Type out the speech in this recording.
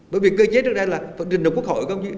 bởi vì cơ chế trước đây là phần trình độc quốc hội